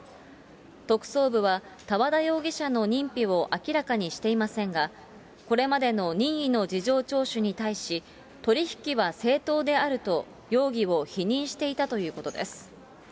特捜部は多和田容疑者の認否を明らかにしていませんが、これまでの任意の事情聴取に対し、取り引きは正当であると、容疑を否認していたということです。